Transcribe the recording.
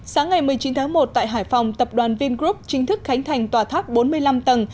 sáng ngày một mươi chín tháng một tại hải phòng tập đoàn vingroup chính thức khánh thành tòa tháp bốn mươi năm tầng